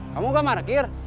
kamu gak markir